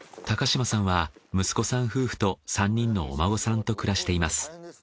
高嶋さんは息子さん夫婦と３人のお孫さんと暮らしています。